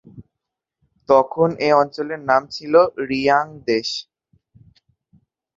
তখন এ অঞ্চলের নাম ছিল রিয়াংদেশ।